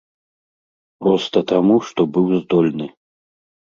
Проста таму, што быў здольны.